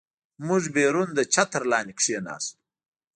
موږ بیرون د چتر لاندې کېناستو.